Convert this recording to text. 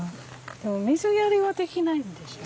でも水やりはできないんでしょ？